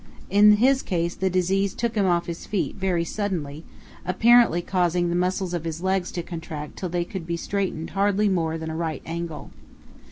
In his case the disease took him off his feet very suddenly, apparently causing the muscles of his legs to contract till they could be straightened hardly more than a right angle.